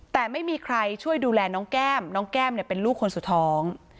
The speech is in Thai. แต่ไม่มีใครช่วยดูแลน้องแก้มน้องแก้มเนี่ยเป็นลูกคนสุดท้อง